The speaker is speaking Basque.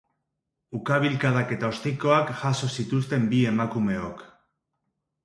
Ukabilkadak eta ostikoak jaso zituzten bi emakumeok.